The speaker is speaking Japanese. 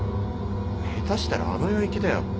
下手したらあの世行きだよ。